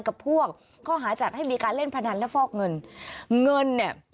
กับพวกข้อหาจัดให้มีการเล่นพนันและฟอกเงินเงินเนี่ย